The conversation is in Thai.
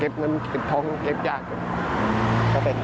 เก็บเงินเก็บพองเก็บยาก